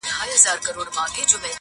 زه د اشنا روغې راستۍ وهلی يمه